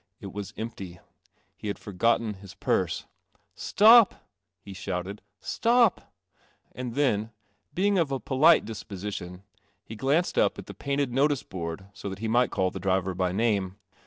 It was empty. He had forgotten In purse. "Stop! 1 he shouted. "Si p! 1 Ami then, beii a polite disposition, he glanced up at the painted notice board so that he might call the timer by name.